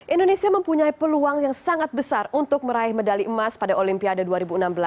indonesia mempunyai peluang yang sangat besar untuk meraih medali emas pada olimpiade dua ribu enam belas